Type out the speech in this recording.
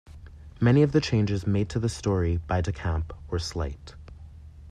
Many of the changes made to the story by de Camp were slight.